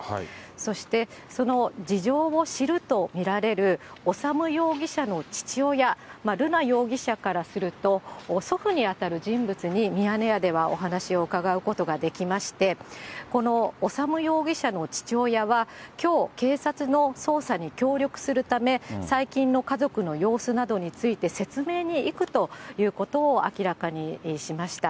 そしてその事情を知ると見られる修容疑者の父親、瑠奈容疑者からすると祖父に当たる人物にミヤネ屋ではお話を伺うことができまして、この修容疑者の父親はきょう、警察の捜査に協力するため、最近の家族の様子などについて、説明に行くということを明らかにしました。